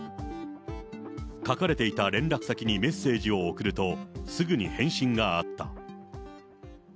書かれていた連絡先にメッセージを送ると、すぐに返信があった。